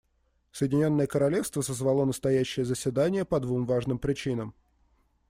Соединенное Королевство созвало настоящее заседание по двум важным причинам.